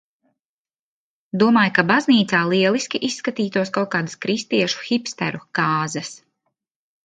Domāju, ka baznīcā lieliski izskatītos kaut kādas kristiešu hipsteru kāzas.